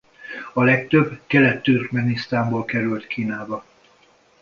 A legtöbb Kelet-Türkmenisztánból került Kínába.